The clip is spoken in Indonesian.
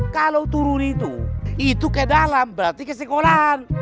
kalau turun itu itu kayak dalam berarti kesekoran